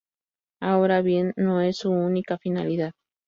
Ahora bien, no es su única finalidad.